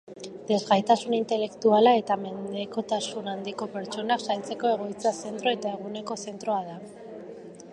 Desgaitasun intelektuala eta mendekotasun handiko pertsonak zaintzeko egoitza-zentro eta eguneko zentroa da.